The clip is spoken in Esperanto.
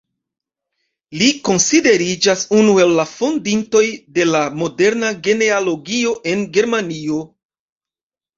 Li konsideriĝas unu el la fondintoj de la moderna genealogio en Germanio.